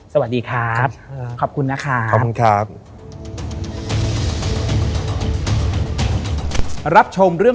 สวัสดีครับ